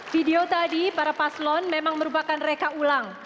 video tadi para paslon memang merupakan reka ulang